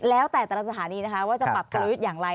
แล้วแต่แต่ละสถานีนะคะว่าจะปรับกลยุทธ์อย่างไร